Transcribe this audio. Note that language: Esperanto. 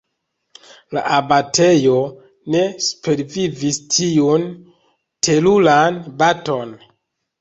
La abatejo ne supervivis tiun teruran baton.